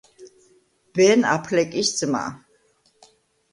ბენ აფლეკის ძმა.